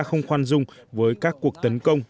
không khoan dung với các cuộc tấn công